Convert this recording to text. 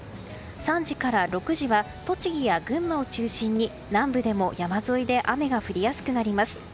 ３時から６時は栃木や群馬を中心に南部でも山沿いで雨が降りやすくなります。